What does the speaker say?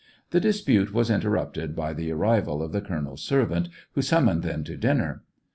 The dispute was interrupted by the arrival of the colonel's servant, who summoned them to dinner.